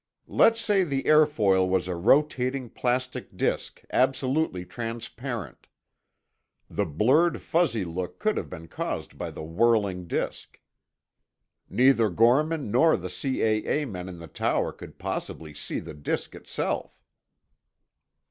"Let's say the airfoil was a rotating plastic disk, absolutely transparent. The blurred, fuzzy look could have been caused by the whirling disk. Neither Gorman nor the C.A.A. men in the tower could possibly see the disk itself."